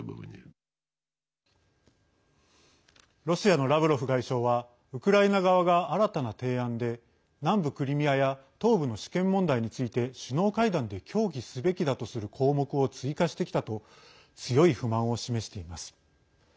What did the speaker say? ロシアのラブロフ外相はウクライナ側が新たな提案で南部クリミアや東部の主権問題について首脳会談で協議すべきだとする項目を追加してきたと強い不満を示しています。